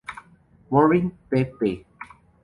Morin, pp.